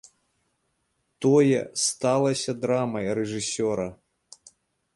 Тое сталася драмай рэжысёра.